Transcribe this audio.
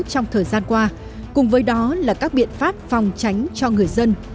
trong thời gian qua cùng với đó là các biện pháp phòng tránh cho người dân